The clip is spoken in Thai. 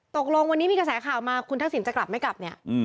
ตกลงวันนี้มีกระแสข่าวมาคุณทักษิณจะกลับไม่กลับเนี่ย